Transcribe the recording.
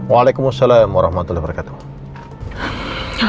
waalaikumsalam warahmatullahi wabarakatuh